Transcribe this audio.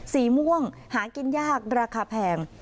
สีม่วงหากินยากราคาแพง